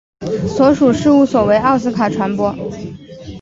所属事务所为奥斯卡传播。